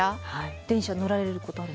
電車乗られることあるんですか？